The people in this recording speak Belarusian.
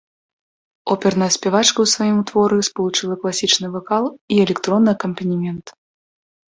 Оперная спявачка ў сваім творы спалучыла класічны вакал і электронны акампанемент.